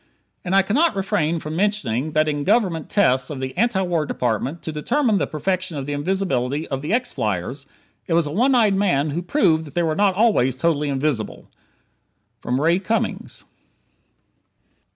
And I cannot refrain from mentioning that in Government tests of the Anti War Department to determine the perfection of the invisibility of the X flyers, it was a one eyed man who proved that they were not always totally invisible! Ray Cummings.